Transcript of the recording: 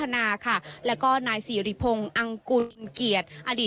นายและนาย